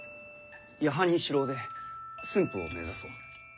夜半に城を出駿府を目指そう。